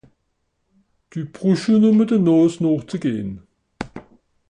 Dü brüsch jo nùmme de Nààs nooch ze gehn.